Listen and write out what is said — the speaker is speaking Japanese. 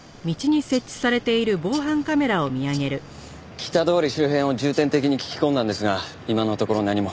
北通り周辺を重点的に聞き込んだんですが今のところ何も。